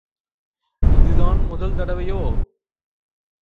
இதுதான் முதல் தடவையோ?